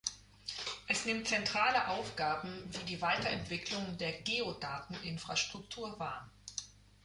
Es nimmt zentrale Aufgaben wie die Weiterentwicklung der Geodateninfrastruktur wahr.